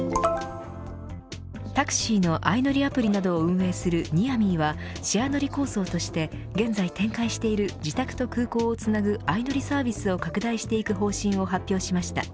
タクシーの相乗りアプリなどを運営するＮｅａｒＭｅはシェア乗り構想として現在展開している自宅と空港をつなぐ相乗りサービスを拡大していく方針を発表しました。